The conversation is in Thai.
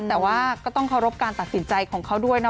แต่ว่าก็ต้องเคารพการตัดสินใจของเขาด้วยนะ